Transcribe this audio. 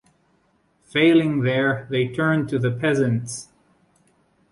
Failing there, they turned to the peasants.